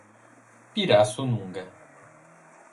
Pirassununga